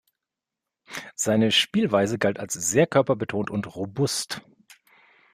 Seine Spielweise galt als sehr körperbetont und robust.